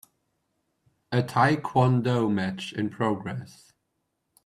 A Tae Kwon Do match in progress.